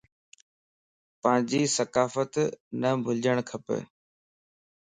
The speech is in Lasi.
پانجي ثقافت نه بُلجڙ کپا